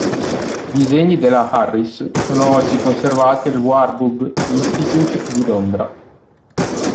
I disegni della Harris sono oggi conservati al Warburg Institute di Londra.